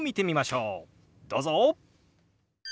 どうぞ！